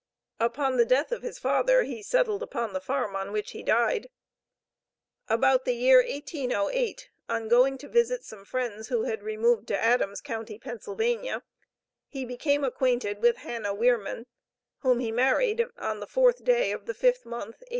Upon the death of his father, he settled upon the farm, on which he died. About the year 1808 on going to visit some friends, who had removed to Adams county, Pennsylvania, he became acquainted with Hannah Wierman, whom he married on the fourth day of the fifth month, 1815.